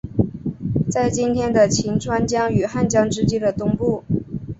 在今天的清川江与汉江之间的东部。